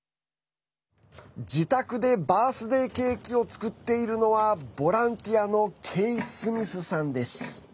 自宅でバースデーケーキを作っているのはボランティアのケイ・スミスさんです。